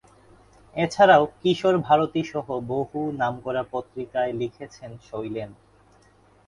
এছাড়াও কিশোর ভারতী সহ বহু নামকরা পত্রিকায় লিখেছেন শৈলেন।